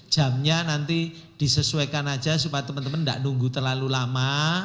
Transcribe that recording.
jamnya nanti disesuaikan aja supaya teman teman tidak nunggu terlalu lama